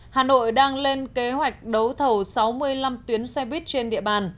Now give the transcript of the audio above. hà nội đang lên kế hoạch đấu thầu sáu mươi năm tuyến xe buýt trên địa bàn